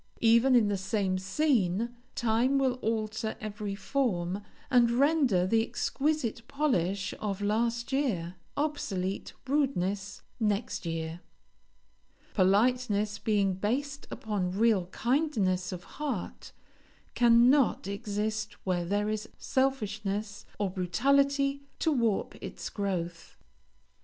Even in the same scene, time will alter every form, and render the exquisite polish of last year, obsolete rudeness next year. Politeness, being based upon real kindness of heart, cannot exist where there is selfishness or brutality to warp its growth.